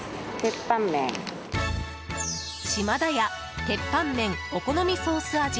シマダヤ「鉄板麺」お好みソース味